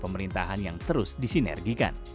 pemerintahan yang terus disinergikan